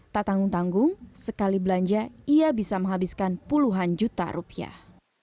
tak tanggung tanggung sekali belanja ia bisa menghabiskan puluhan juta rupiah